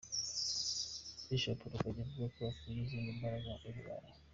Bishop Rugagi avuga ko akuye izindi mbaraga i burayi